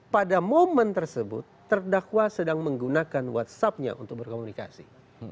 pada momen tersebut terdakwa sedang menggunakan whatsappnya untuk berkomunikasi